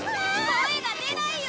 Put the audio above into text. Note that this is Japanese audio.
声が出ないよ！